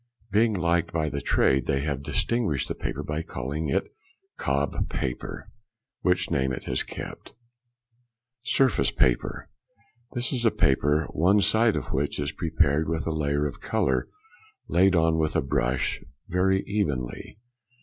Being liked by the trade, they have distinguished the paper by calling it "Cobb paper," which name it has kept. Surface Paper.—This is a paper, one side of which is prepared with a layer of colour, laid on with a brush very evenly.